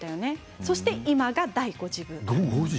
そして今が第５次ブーム。